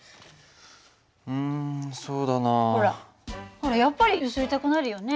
ほらやっぱり揺すりたくなるよね？